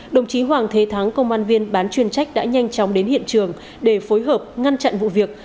đồng chí hoàng thế thắng công an viên bán chuyên trách đã nhanh chóng đến hiện trường để phối hợp ngăn chặn vụ việc